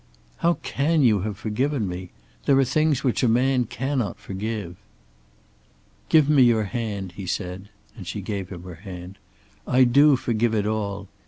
"How can you have forgiven me? There are things which a man cannot forgive." "Give me your hand," he said, and she gave him her hand. "I do forgive it all.